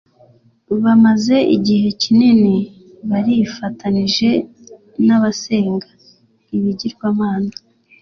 Bamaze igihe kinini barifatanije n’abasenga ibigirwamana,